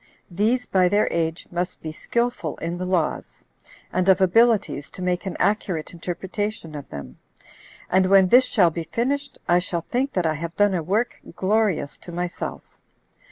These, by their age, must be skillful in the laws, and of abilities to make an accurate interpretation of them; and when this shall be finished, I shall think that I have done a work glorious to myself.